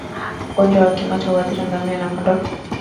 Ugonjwa wa kimeta huathiri ngamia na kondoo